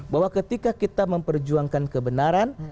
bahwa ketika kita memperjuangkan kebenaran